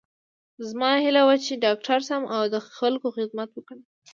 زما هیله وه چې ډاکټره شم او د خلکو خدمت وکړم